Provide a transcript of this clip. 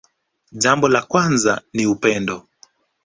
Jambo la kwanza ni upendo